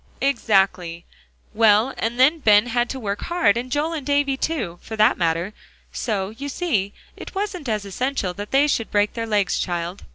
"Exactly; well, and then Ben had to work hard, and Joel and Davie too, for that matter. So, you see, it wasn't as essential that they should break their legs, child."